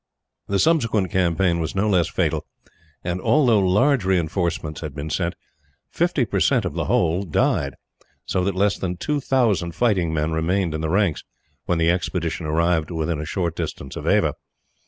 The subsequent campaign was no less fatal and, although large reinforcements had been sent, fifty percent of the whole died; so that less than two thousand fighting men remained in the ranks, when the expedition arrived within a short distance of Ava.